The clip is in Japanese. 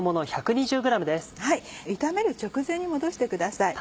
炒める直前に戻してください。